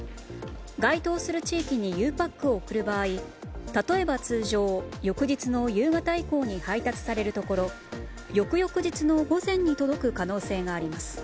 該当する地域にゆうパックを送る場合例えば通常、翌日の夕方以降に配達されるところ翌々日の午前に届く可能性があります。